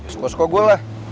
suka suka gue lah